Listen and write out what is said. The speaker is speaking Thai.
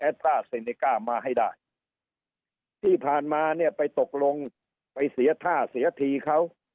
เอสต้าเซนเนก้ามาให้ได้ที่ผ่านมาเนี่ยไปตกลงไปเสียท่าเสียทีเขา